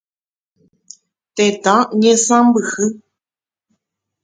Tetã ñesãmbyhy.